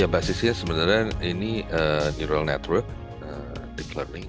basisnya sebenarnya ini neural network